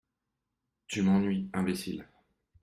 Tu m’ennuies, imbécile !…